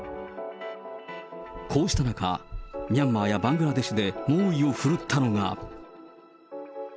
こうした中、ミャンマーやバングラデシュで猛威を振るったのが。